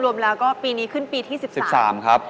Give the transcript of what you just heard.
รวมแล้วก็ปีนี้ขึ้นปีที่๑๓ครับ